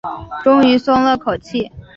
终于松了口气